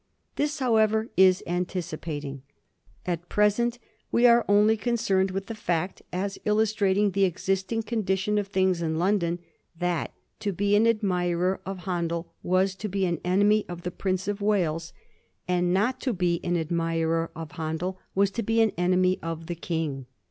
This, how ever, is anticipating. At present we are only concerned with the fact, as 'illustrating the existing condition of things in London, that to be an admirer of Hatidel was to be an enemy of the Prince of Wales, and not to be an 52 A HISTORY OF THE FOUB GEORGES. ch.zxiil admirer of Handel was to be an enemy of the King.